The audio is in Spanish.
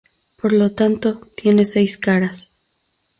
Por lo tanto, tiene seis caras.